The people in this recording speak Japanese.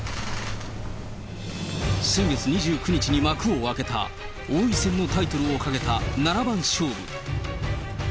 先月２９日に幕を開けた、王位戦のタイトルをかけた七番勝負。